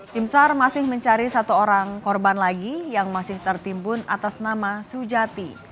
tim sar masih mencari satu orang korban lagi yang masih tertimbun atas nama sujati